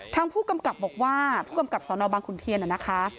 ทางผู้กำกับบอกว่าผู้กำกับสนบางขุนเทียนนะคะ